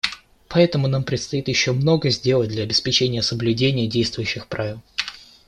Поэтому нам предстоит еще много сделать для обеспечения соблюдения действующих правил.